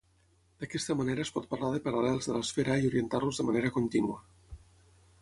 D'aquesta manera es pot parlar de paral·lels de l'esfera i orientar-los de manera contínua.